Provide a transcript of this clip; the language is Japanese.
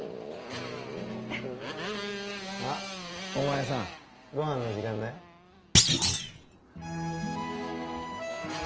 あッお前さんご飯の時間だよはッ？